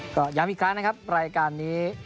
ก็ย้ำอีกครั้งนะครับรายการนี้